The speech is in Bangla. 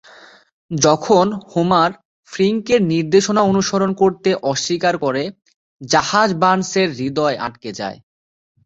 যখন হোমার ফ্রিঙ্কের নির্দেশনা অনুসরণ করতে অস্বীকার করে, জাহাজ বার্নসের হৃদয়ে আটকে যায়।